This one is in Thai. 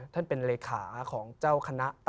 พระพุทธพิบูรณ์ท่านาภิรม